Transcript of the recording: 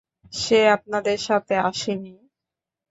সে আপনাদের সাথে আসে নি?